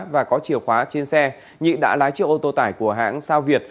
và có chiều khóa trên xe nhị đã lái chiếc ô tô tải của hãng sao việt